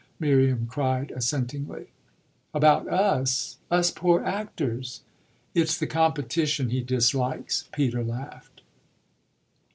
Miriam cried assentingly. "About 'us'?" "Us poor actors." "It's the competition he dislikes," Peter laughed.